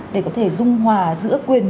để có thể dung hòa giữa quyền